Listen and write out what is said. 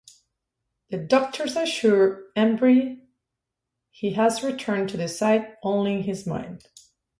The doctors assure Embry he has returned to the site only in his mind.